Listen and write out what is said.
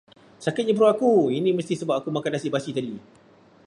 Sakitnya perut aku, ini mesti sebab aku makan nasi basi tadi.